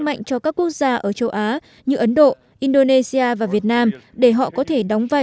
mạnh cho các quốc gia ở châu á như ấn độ indonesia và việt nam để họ có thể đóng vai